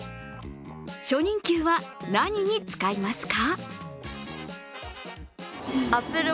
初任給は何に使いますか？